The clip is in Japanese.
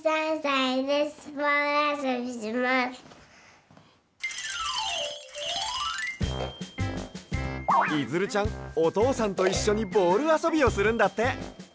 いづるちゃんおとうさんといっしょにボールあそびをするんだって。